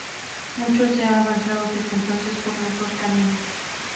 Mucho se ha avanzado desde entonces, por los dos caminos.